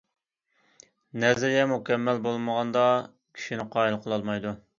نەزەرىيە مۇكەممەل بولمىغاندا، كىشىنى قايىل قىلالمايدۇ.